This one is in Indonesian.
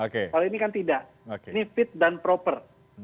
kalau ini kan tidak ini fit dan proper